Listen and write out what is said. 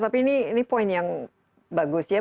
tapi ini poin yang bagus ya